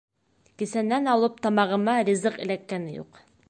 — Кисәнән алып тамағыма ризыҡ эләккәне юҡ.